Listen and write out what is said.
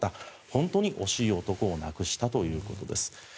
本当に惜しい男を亡くしたということです。